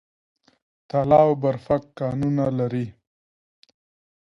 تاله او برفک کانونه لري؟